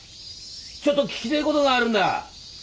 ちょっと聞きてえ事があるんだ。